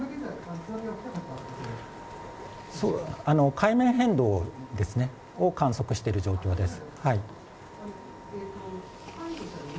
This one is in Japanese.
海面変動を観測している状況です。